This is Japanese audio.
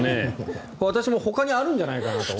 私もほかにあるんじゃないかなと。